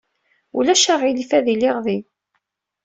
Ulac aɣilif, ad iliɣ din.